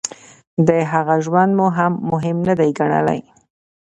د هغه ژوند مو هم مهم نه دی ګڼلی.